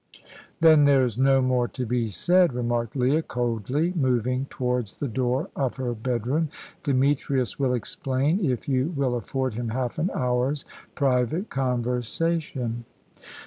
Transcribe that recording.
"Then there's no more to be said," remarked Leah, coldly, moving towards the door of her bedroom. "Demetrius will explain, if you will afford him half an hour's private conversation."